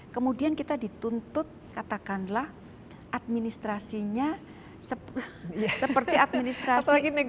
kemudian kita dituntut katakanlah administrasinya seperti administrasi